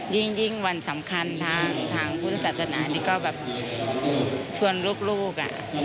ยิ่งยิ่งวันสำคัญทางทางพุทธศาสนานี่ก็แบบชวนลูกลูกอ่ะ